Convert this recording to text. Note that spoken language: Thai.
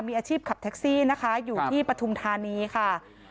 มีอาชีพขับแท็กซี่นะคะอยู่ที่ปฐุมธานีค่ะ